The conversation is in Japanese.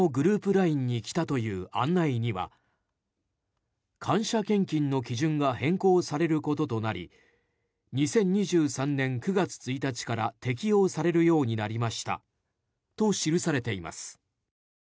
ＬＩＮＥに来たという案内には感謝献金の基準が変更されることとなり２０２３年９月１日から適用されるようになりましたと記されています。